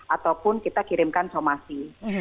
ataupun kita kirimkan somasi